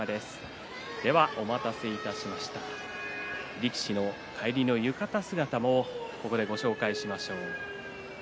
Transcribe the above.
力士の帰りの浴衣姿をここでご紹介します。